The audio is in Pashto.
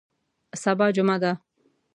سبا جمعه ده